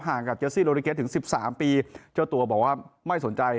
กับเจซี่โลดิเกสถึงสิบสามปีเจ้าตัวบอกว่าไม่สนใจ